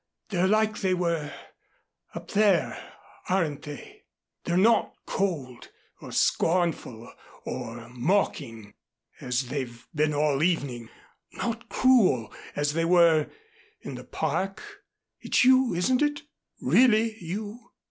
They're like they were up there aren't they? They're not cold, or scornful, or mocking, as they've been all evening not cruel as they were in the Park? It's you, isn't it? Really you?"